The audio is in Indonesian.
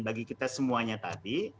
bagi kita semuanya tadi